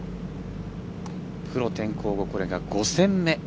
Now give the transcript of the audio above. プロ転向後、これが５戦目。